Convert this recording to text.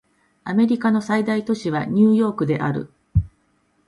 アメリカの最大都市はニューヨークである